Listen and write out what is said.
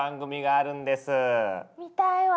見たいわ。